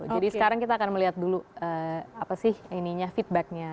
jadi sekarang kita akan melihat dulu feedbacknya